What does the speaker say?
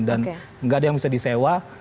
dan nggak ada yang bisa disewa